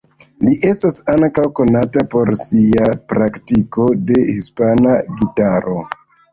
Li estas ankaŭ konata por sia praktiko de hispana gitaro.